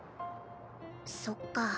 そっか。